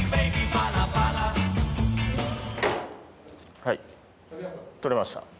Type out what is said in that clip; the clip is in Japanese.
はい取れました。